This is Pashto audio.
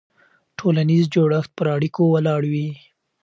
ټولنیز جوړښت پر اړیکو ولاړ وي.